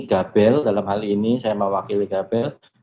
gabel dalam hal ini saya mewakili gabel